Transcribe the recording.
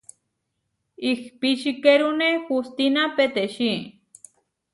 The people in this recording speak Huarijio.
Ihpičikerune hustína petečí.